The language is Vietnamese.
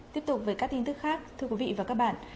tiếp tục với các tin tức khác thưa quý vị và các bạn